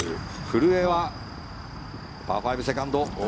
古江はパー５、セカンド。